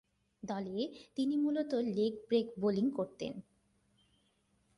দলে তিনি মূলতঃ লেগ ব্রেক বোলিং করতেন।